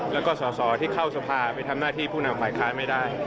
แล้วก็สอสอที่เข้าสภาไปทำหน้าที่ผู้นำฝ่ายค้านไม่ได้